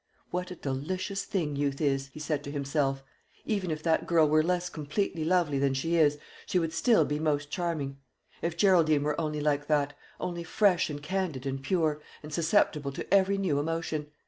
"What a delicious thing youth is!" he said to himself. "Even if that girl were less completely lovely than she is, she would still be most charming. If Geraldine were only like that only fresh and candid and pure, and susceptible to every new emotion!